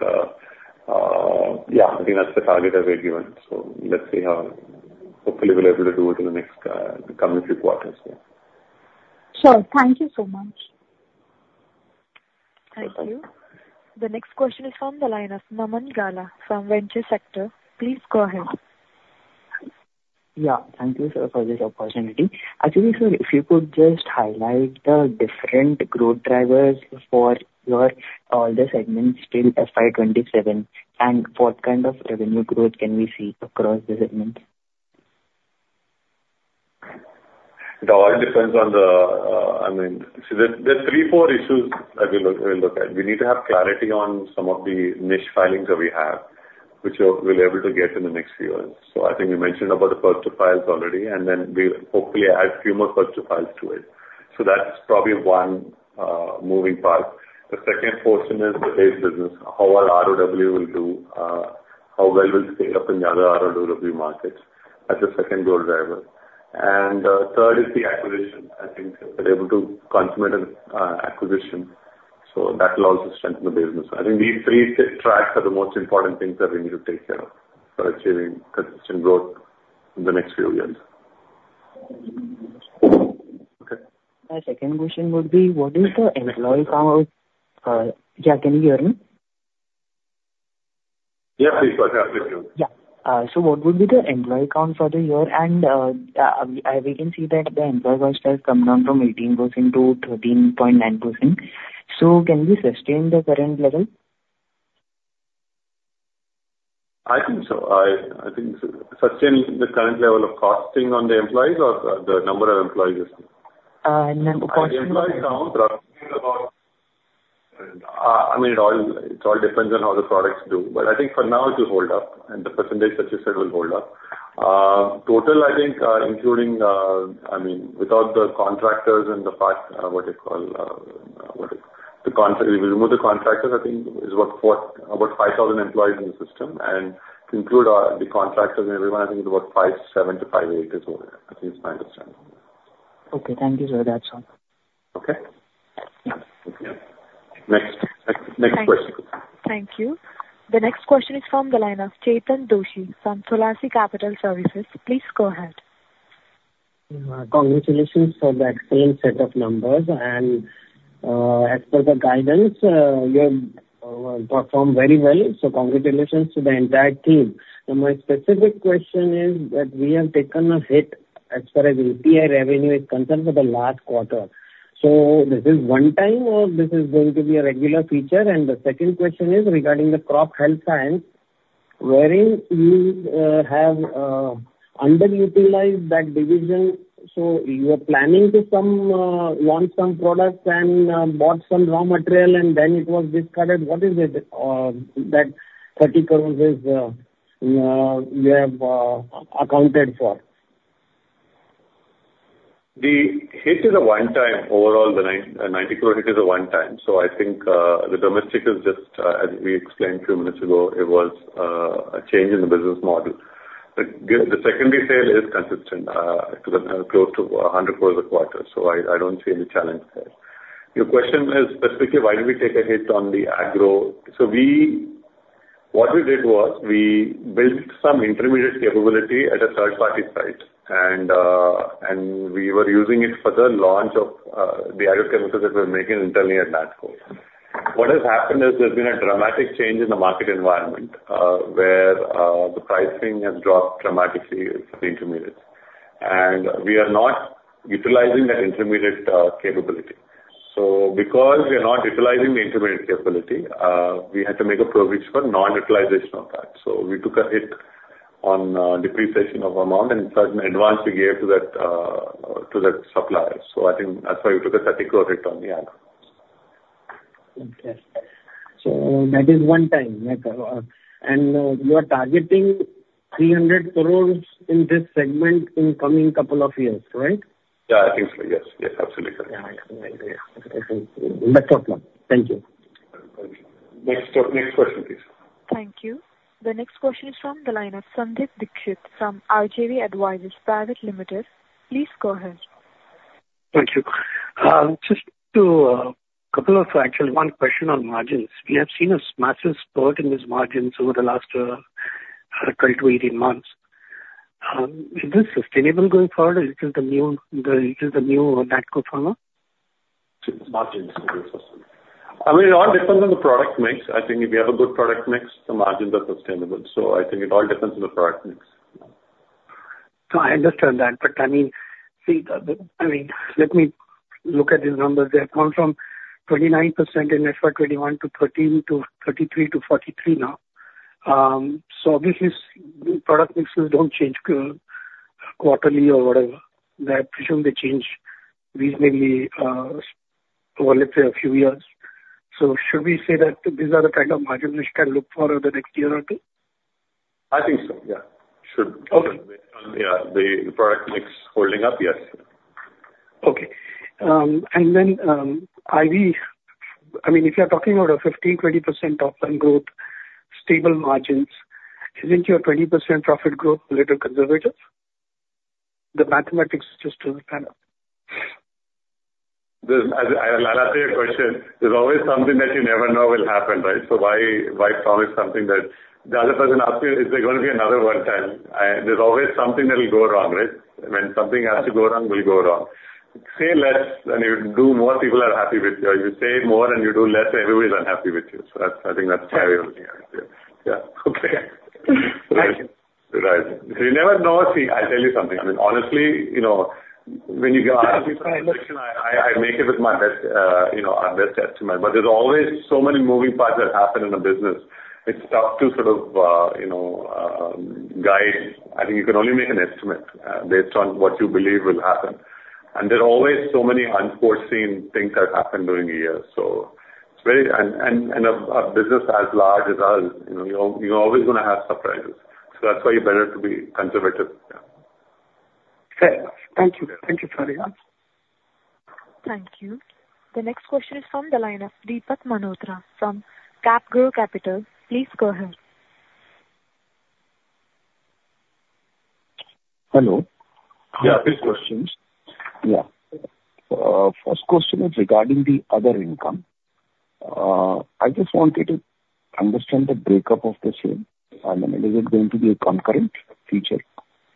yeah, I think that's the target that we're given. So let's see how. Hopefully, we'll be able to do it in the next, the coming three quarters, yeah.... Sure. Thank you so much. Thank you. The next question is from the line of Naman Gala from Ventura Securities. Please go ahead. Yeah, thank you, sir, for this opportunity. Actually, sir, if you could just highlight the different growth drivers for your all the segments till FY 27, and what kind of revenue growth can we see across the segments? It all depends on the, I mean, so there are three, four issues that we look at. We need to have clarity on some of the niche filings that we have, which we'll able to get in the next few months. So I think we mentioned about the first-to-file already, and then we'll hopefully add a few more first-to-file to it. So that's probably one moving part. The second portion is the base business. How our ROW will do, how well we'll scale up in the other ROW markets, that's the second growth driver. And third is the acquisition. I think we're able to consummate an acquisition, so that will also strengthen the business. I think these three tracks are the most important things that we need to take care of for achieving consistent growth in the next few years. Okay. My second question would be, what is the employee count? Yeah, can you hear me? Yeah, please go ahead. Yeah. So what would be the employee count for the year? We can see that the employee cost has come down from 18% to 13.9%. So can we sustain the current level? I think so. I think sustain the current level of costing on the employees or the number of employees? Number of employees. Employee count, I mean, it all, it all depends on how the products do. But I think for now it will hold up, and the percentage that you said will hold up. Total, I think, including, I mean, without the contractors and the part, what you call, what it... The contract- if you remove the contractors, I think it's about 4,000-5,000 employees in the system. And to include, the contractors and everyone, I think it's about 5,700-5,800 or so, at least my understanding. Okay, thank you, sir. That's all. Okay. Yeah. Next, next question. Thank you. The next question is from the line of Chetan Doshi from Tulsi Capital. Please go ahead. Congratulations for the excellent set of numbers, and, as per the guidance, you have performed very well. So congratulations to the entire team. So my specific question is that we have taken a hit as far as API revenue is concerned for the last quarter. So this is one time, or this is going to be a regular feature? And the second question is regarding the Crop Health Sciences, wherein you have underutilized that division. So you are planning to some launch some products and bought some raw material and then it was discarded. What is it that 30 crore is you have accounted for? The hit is a one-time. Overall, the 90 crore hit is a one-time. So I think, the domestic is just, as we explained a few minutes ago, it was, a change in the business model. The secondary sale is consistent, close to 100 crore a quarter, so I, I don't see any challenge there. Your question is specifically why do we take a hit on the agro? So we... What we did was, we built some intermediate capability at a third-party site, and we were using it for the launch of, the agrochemicals that we're making internally at Natco. What has happened is there's been a dramatic change in the market environment, where the pricing has dropped dramatically for the intermediates, and we are not utilizing that intermediate capability. Because we are not utilizing the intermediate capability, we had to make a provision for non-utilization of that. So we took a hit on depreciation of amount and certain advance we gave to that, to that supplier. So I think that's why we took a INR 30 crore hit on the agro. Okay. So that is one time, like, and you are targeting 300 crore in this segment in coming couple of years, right? Yeah, I think so. Yes. Yes, absolutely, sir. Yeah, I think so. That's all clear. Thank you. Next, next question, please. Thank you. The next question is from the line of Sandeep Dixit from RJV Advisors Private Limited. Please go ahead. Thank you. Just to, couple of, actually one question on margins. We have seen a massive spurt in these margins over the last, 12-18 months. Is this sustainable going forward, or is this the new the, is this the new Natco Pharma? Margins. I mean, it all depends on the product mix. I think if you have a good product mix, the margins are sustainable. So I think it all depends on the product mix. No, I understand that, but I mean, see, I mean, let me look at these numbers. They have come from 29% in FY 2021 to 13% to 33%-43% now. So obviously, product mixes don't change quarterly or whatever. They, I presume they change reasonably, well, let's say a few years. So should we say that these are the kind of margins we can look for over the next year or two? I think so, yeah. Should. Okay. Yeah. The product mix holding up? Yes. Okay. And then, are we... I mean, if you are talking about 15%-20% top line growth, stable margins, isn't your 20% profit growth a little conservative? The mathematics just doesn't add up.... There's, I'll answer your question. There's always something that you never know will happen, right? So why, why promise something that the other person asks you, "Is there gonna be another one time?" There's always something that will go wrong, right? When something has to go wrong, will go wrong. Say less and you do more, people are happy with you. You say more and you do less, everybody's unhappy with you. So that's, I think that's why we. Yeah. Okay. Thank you. Right. You never know. See, I'll tell you something. I mean, honestly, you know, when you go out, I make it with my best, you know, our best estimate. But there's always so many moving parts that happen in a business, it's tough to sort of, you know, guide. I think you can only make an estimate, based on what you believe will happen. And there are always so many unforeseen things that happen during the year. So it's very... And a business as large as us, you know, you're always gonna have surprises. So that's why you better to be conservative. Yeah. Fair. Thank you. Thank you very much. Thank you. The next question is from the line of Deepak Malhotra from CapGrow Capital. Please go ahead. Hello. Yeah, please questions. Yeah. First question is regarding the other income. I just wanted to understand the breakup of the same, and then is it going to be a concurrent feature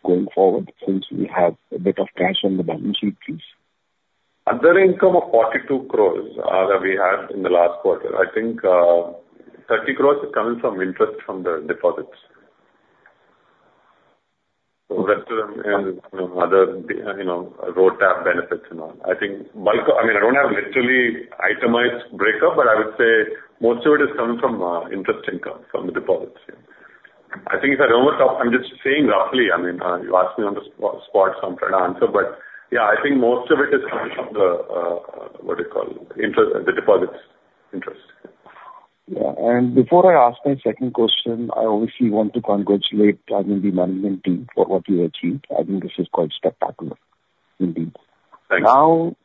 going forward since we have a bit of cash on the balance sheet, please? Other income of 42 crores, that we had in the last quarter, I think, thirty crores is coming from interest from the deposits. So that and, you know, other, you know, R&D tax benefits and all. I think, but, I mean, I don't have literally itemized breakup, but I would say most of it is coming from, interest income from the deposits. I think if I remember top, I'm just saying roughly, I mean, you asked me on the spot, so I'm trying to answer. But yeah, I think most of it is coming from the, what do you call? Interest, the deposits interest. Yeah. Before I ask my second question, I obviously want to congratulate, I mean, the management team for what you've achieved. I think this is quite spectacular, indeed. Thank you. Now,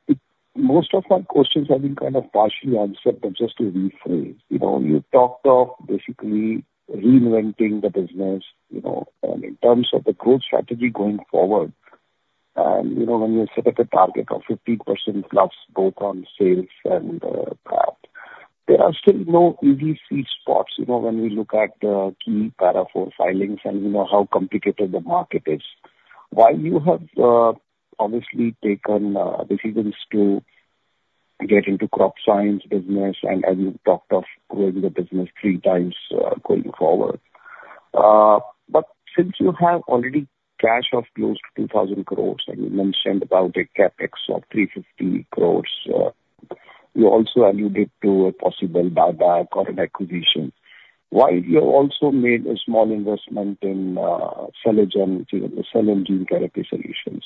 most of my questions have been kind of partially answered, but just to rephrase. You know, you talked of basically reinventing the business, you know, and in terms of the growth strategy going forward, and, you know, when you set up a target of 50%+ both on sales and that. There are still no easy see spots, you know, when we look at the key Para IV filings and you know how complicated the market is. While you have obviously taken decisions to get into crop science business, and as you talked of growing the business three times going forward. But since you have already cash of close to 2,000 crores, and you mentioned about a CapEx of 350 crores, you also alluded to a possible buyback or an acquisition. While you have also made a small investment in Cellogen, cell and gene therapy solutions.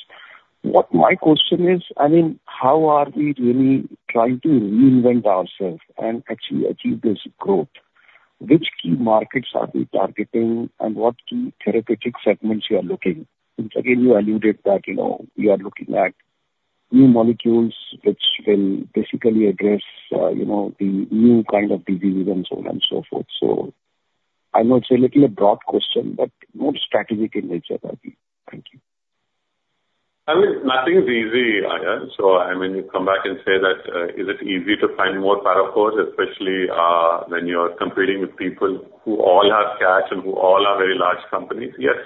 What my question is, I mean, how are we really trying to reinvent ourselves and actually achieve this growth? Which key markets are we targeting and what key therapeutic segments you are looking? Since again, you alluded that, you know, you are looking at new molecules which will basically address, you know, the new kind of diseases and so on and so forth. So I know it's a little broad question, but more strategic in nature, probably. Thank you. I mean, nothing's easy, yeah. So, I mean, you come back and say that, is it easy to find more Para IVs, especially, when you're competing with people who all have cash and who all are very large companies? Yes.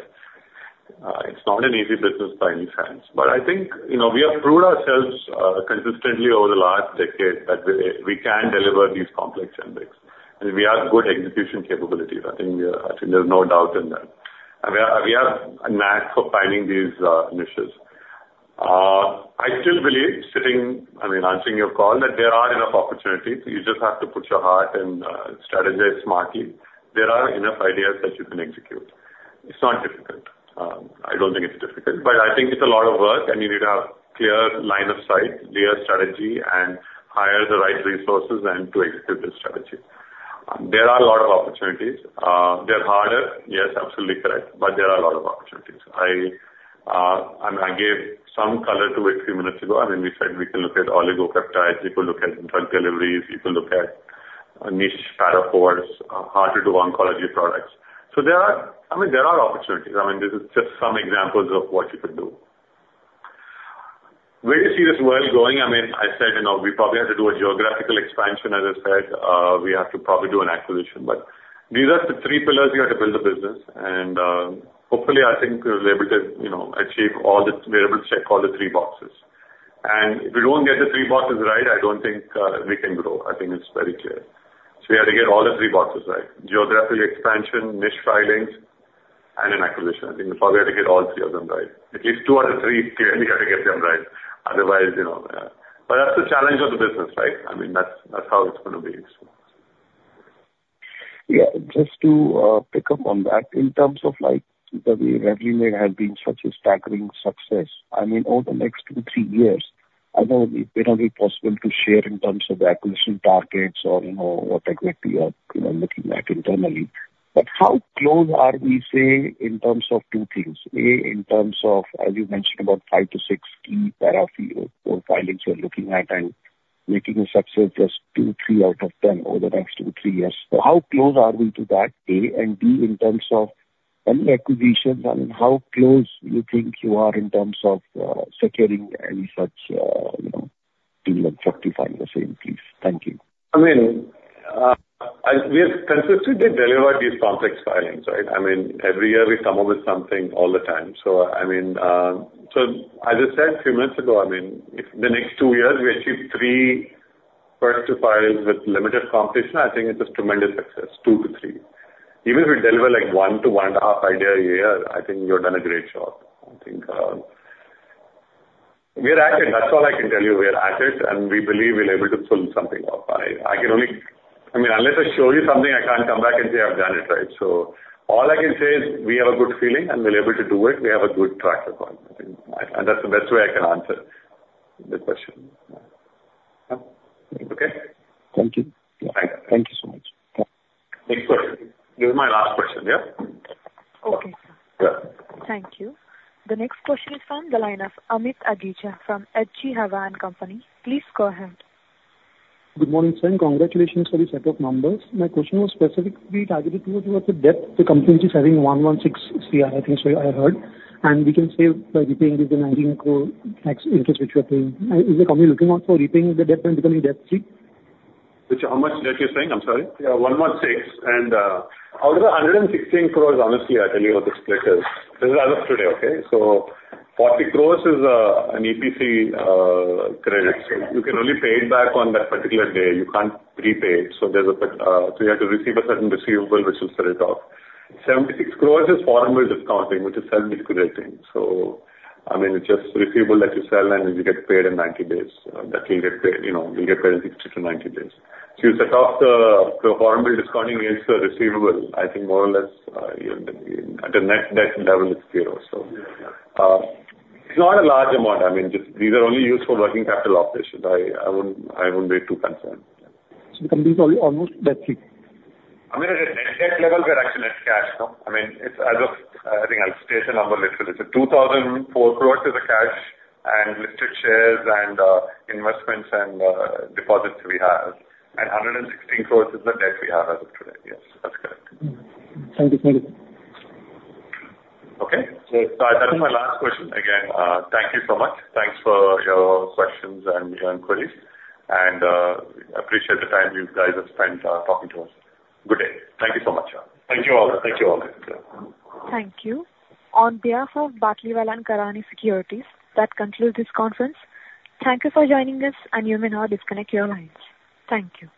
It's not an easy business by any chance. But I think, you know, we have proved ourselves, consistently over the last decade, that we, we can deliver these complex generics, and we have good execution capabilities. I think we are - I think there's no doubt in that. I mean, we have a knack for finding these, niches. I still believe, sitting, I mean, answering your call, that there are enough opportunities. You just have to put your heart and, strategize smartly. There are enough ideas that you can execute. It's not difficult. I don't think it's difficult, but I think it's a lot of work, and you need to have clear line of sight, clear strategy, and hire the right resources and to execute the strategy. There are a lot of opportunities. They're harder, yes, absolutely correct, but there are a lot of opportunities. I and I gave some color to it a few minutes ago, and then we said we can look at oligopeptides, we could look at drug deliveries, we could look at niche Para IVs, harder to oncology products. So there are... I mean, there are opportunities. I mean, this is just some examples of what you could do. Where do you see this world going? I mean, I said, you know, we probably have to do a geographical expansion. As I said, we have to probably do an acquisition. But these are the three pillars you have to build a business, and, hopefully, I think we'll be able to, you know, achieve all the, be able to check all the three boxes. And if we don't get the three boxes right, I don't think, we can grow. I think it's very clear. So we have to get all the three boxes right. Geographical expansion, niche filings, and an acquisition. I think we probably have to get all three of them right. At least two out of three, clearly, we got to get them right. Otherwise, you know, But that's the challenge of the business, right? I mean, that's, that's how it's gonna be. Yeah. Just to pick up on that, in terms of like, the way Revlimid has been such a staggering success, I mean, over the next 2-3 years, I know it may not be possible to share in terms of the acquisition targets or, you know, what equity you are, you know, looking at internally. But how close are we, say, in terms of two things: A, in terms of, as you mentioned, about 5-6 key Para IV filings you're looking at and making a success just 2-3 out of 10 over the next 2-3 years. So how close are we to that, A? And B, in terms of any acquisitions and how close you think you are in terms of securing any such, you know, deal like First to File, the same, please? Thank you. I mean, I, we have consistently delivered these complex filings, right? I mean, every year we come up with something all the time. So I mean, so as I said a few minutes ago, I mean, if the next 2 years we achieve 3 first-to-file with limited competition, I think it's a tremendous success, 2-3. Even if we deliver, like, 1-1.5 idea a year, I think we've done a great job. I think, we are at it. That's all I can tell you. We are at it, and we believe we're able to pull something off. I, I can only... I mean, unless I show you something, I can't come back and say I've done it, right? So all I can say is we have a good feeling, and we're able to do it. We have a good track record, I think. And that's the best way I can answer the question. Okay? Thank you. Bye. Thank you so much. Bye. Next question. This is my last question, yeah? Okay, sir. Yeah. Thank you. The next question is from the line of Amit Chandra from HDFC Securities. Please go ahead. Good morning, sir, and congratulations for the set of numbers. My question was specifically targeted towards the debt the company is having 116 crore, I think, so I heard, and we can save by repaying the 19 crore tax interest which we are paying. Is the company looking out for repaying the debt and becoming debt-free? Which, how much debt you're saying? I'm sorry. Yeah, 116, and, out of the 116 crores, honestly, I tell you what the split is. This is as of today, okay? So 40 crore is an EPC credit. So you can only pay it back on that particular day. You can't prepay it, so you have to receive a certain receivable, which will set it off. 76 crore is foreign bill discounting, which is self-liquidating. So, I mean, it's just receivable that you sell, and you get paid in 90 days. That you get paid, you know, you'll get paid in 60-90 days. So you set off the, the foreign bill discounting against the receivable, I think more or less, you know, at a net, net level, it's zero. So, it's not a large amount. I mean, just these are only used for working capital operations. I, I wouldn't, I wouldn't be too concerned. So the company is only almost debt-free? I mean, at a net, net level, we're actually at cash, no? I mean, it's as of, I think I'll state the number literally. So 2,004 crore is the cash and listed shares and, investments and, deposits we have, and 116 crore is the debt we have as of today. Yes, that's correct. Mm-hmm. Thank you. Thank you. Okay? Great. So that is my last question. Again, thank you so much. Thanks for your questions and your inquiries, and, I appreciate the time you guys have spent, talking to us. Good day. Thank you so much. Thank you all. Thank you all. Thank you. On behalf of Batlivala & Karani Securities, that concludes this conference. Thank you for joining us, and you may now disconnect your lines. Thank you.